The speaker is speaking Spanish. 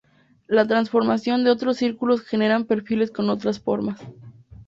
La transformación de otros círculos generan perfiles con otras formas.